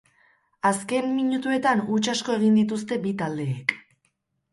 Azken minutuetan huts asko egin dituzte bi taldeek.